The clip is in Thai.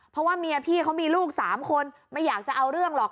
เพราะว่าเมียพี่เขามีลูก๓คนไม่อยากจะเอาเรื่องหรอก